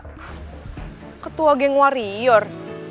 ketua geng warior